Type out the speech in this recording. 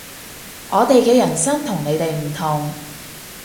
我哋嘅人生同你哋唔同